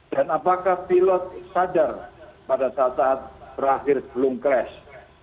dan apakah pilot sadar pada saat saat terakhir belum crash